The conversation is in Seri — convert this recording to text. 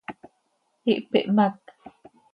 Ihpimhác.